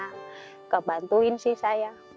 nggak bantuin sih saya